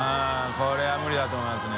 Δこれは無理だと思いますね。